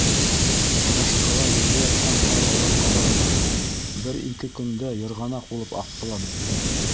Ырашҡыла ергә ятҡан ҡар оҙаҡҡа барманы, бер-ике көндә йырғанаҡ булып аҡты ла бөттө.